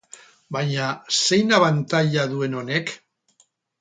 Baina zein abantaila duen honek?